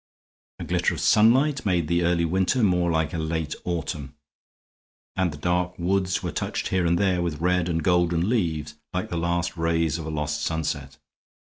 A glitter of sunlight made the early winter more like a late autumn, and the dark woods were touched here and there with red and golden leaves, like the last rays of a lost sunset.